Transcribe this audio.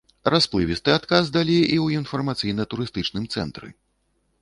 Расплывісты адказ далі і ў інфармацыйна-турыстычным цэнтры.